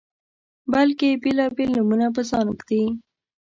بلکې بیلابیل نومونه په ځان ږدي